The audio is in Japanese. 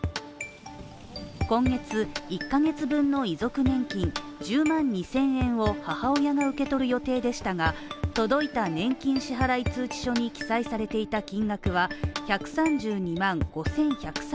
今月、１カ月分の遺族年金１０万２０００円を母親が受け取る予定でしたが届いた年金支払い通知書に記載されていた金額は１３２万５１３５円。